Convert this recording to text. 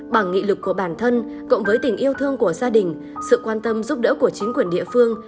bằng nghị lực của bản thân cộng với tình yêu thương của gia đình sự quan tâm giúp đỡ của chính quyền địa phương